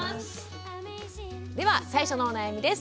では最初のお悩みです。